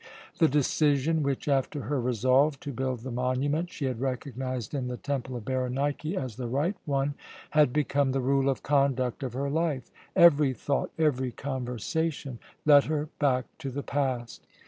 The decision which, after her resolve to build the monument, she had recognized in the temple of Berenike as the right one, had become the rule of conduct of her life. Every thought, every conversation, led her back to the past.